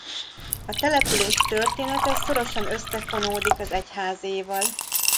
A település története szorosan összefonódik az egyházéval.